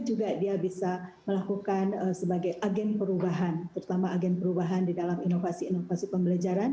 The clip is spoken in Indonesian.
juga dia bisa melakukan sebagai agen perubahan terutama agen perubahan di dalam inovasi inovasi pembelajaran